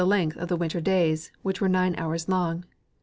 5 length of the winter days, which were nine hours long.